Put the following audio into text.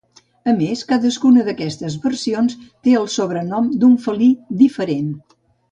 A més, cadascuna d'aquestes versions té el sobrenom d'un felí diferent.